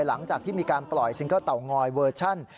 หลังจากที่มีการปล่อยซิงเกิลเตางอยเวอร์ชัน